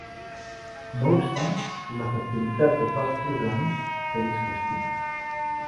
No obstant, l'efectivitat de tals programes s'ha vist qüestionada.